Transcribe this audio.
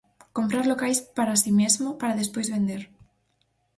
Comprar locais para si mesmo, para despois vender.